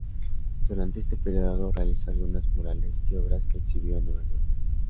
Durante este periodo realizó algunos murales, y obras que exhibió en Nueva York.